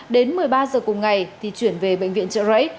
đến một mươi ba giờ cùng ngày thì chuyển về bệnh viện trợ rẫy